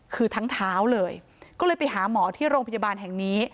คือทั้งเท้าเลยก็เลยไปหาหมอที่โรงพยาบาลแห่งนี้